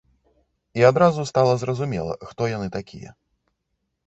І адразу стала зразумела, хто яны такія.